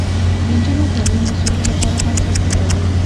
د نجونو تعلیم د سولې لپاره بنسټ جوړوي.